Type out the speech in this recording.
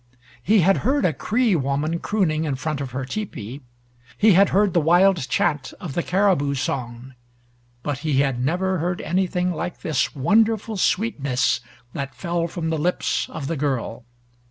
He had heard a Cree woman crooning in front of her tepee; he had heard the wild chant of the caribou song but he had never heard anything like this wonderful sweetness that fell from the lips of the girl.